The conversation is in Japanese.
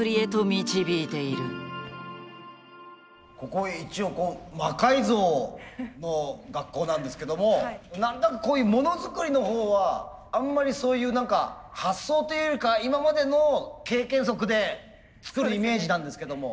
ここ一応魔改造の学校なんですけども何となくこういうものづくりのほうはあんまりそういう何か発想というよりか今までの経験則で作るイメージなんですけども。